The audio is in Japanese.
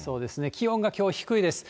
気温がきょう、低いです。